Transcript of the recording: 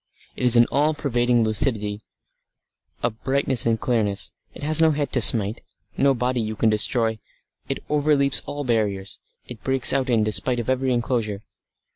It is an all pervading lucidity, a brightness and clearness. It has no head to smite, no body you can destroy; it overleaps all barriers; it breaks out in despite of every enclosure.